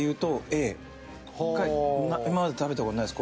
今まで食べた事ないです